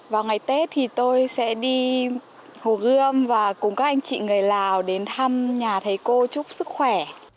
vào ngày tết thì tôi sẽ đi hồ gươm và cùng các anh chị người lào đến thăm nhà thầy cô chúc sức khỏe